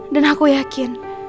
dan aku yakin